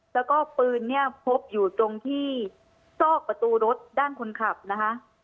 แล้วก็ปืนเนี่ยพบอยู่ตรงที่ซอกประตูรถด้านคนขับนะคะ